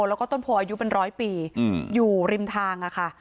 แล้วก็ต้นโพอายุเป็นร้อยปีอยู่ริมทางอะค่ะ